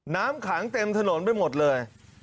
น้ำขังเต็มถนนไปหมดเลย